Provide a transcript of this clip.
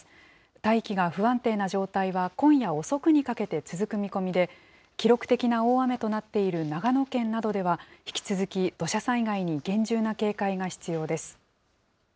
大気が不安定な状態は今夜遅くにかけて続く見込みで、記録的な大雨となっている長野県などでは、引き続き土砂災害に厳重な警戒が必要です。